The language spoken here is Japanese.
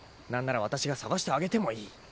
何ならわたしが捜してあげてもいい。